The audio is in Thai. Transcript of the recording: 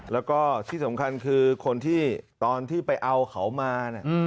แล้วก็ที่สำคัญคือคนที่ตอนที่ไปเอาเขามา